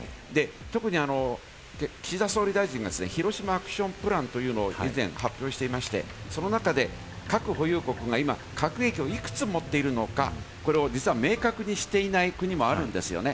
特に岸田総理大臣がヒロシマ・アクション・プランというのを以前発表していまして、その中で核保有国が今、核兵器をいくつ持っているのか、これを実は明確にしていない国もあるんですよね。